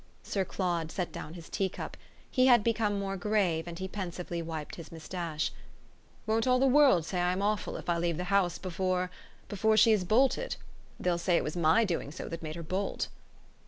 Sir Claude set down his tea cup; he had become more grave and he pensively wiped his moustache. "Won't all the world say I'm awful if I leave the house before before she has bolted? They'll say it was my doing so that made her bolt."